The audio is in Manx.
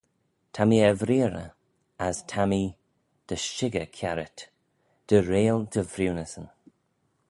Ta mee er vreearrey, as ta mee dy shickyr kiarit: dy reayll dty vriwnyssyn.